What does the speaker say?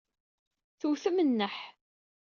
Tewtem nneḥ.